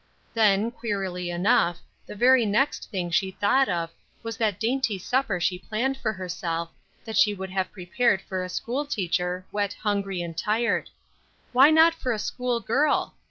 Then, queerly enough, the very next thing she thought of, was that dainty supper she planned for herself, that she could have prepared for a school teacher, wet, hungry and tired. Why not for a school girl?